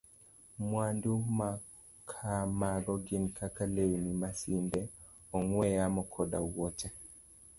Mwandu makamago gin kaka lewni, masinde, ong'we yamo, koda wuoche.